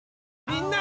みんな！